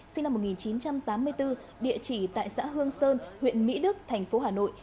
sinh năm một nghìn chín trăm tám mươi bốn địa chỉ tại xã hương sơn huyện mỹ đức thành phố hà nội